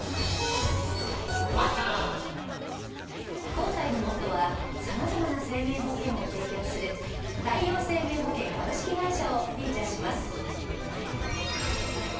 今回の『ＭＯＴＴＯ！！』は様々な生命保険を提供する太陽生命保険株式会社をフィーチャーします。